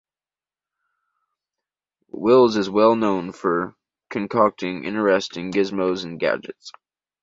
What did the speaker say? Wiles is well known for concocting interesting gizmos and gadgets.